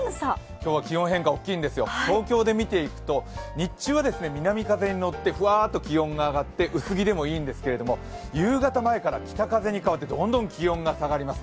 今日は気温変化が大きいんですよ、東京で見ていくと日中は南風に乗ってふわーっと薄着でもいいんですけど、夕方前から北風に変わってどんどん気温が下がります。